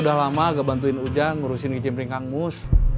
udah lama gak bantuin ujang ngurusin kejimpring kang mus